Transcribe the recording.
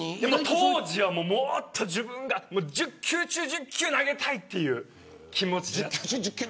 当時は自分が１０球中１０球投げたいという気持ちで。